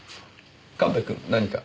神戸くん何か？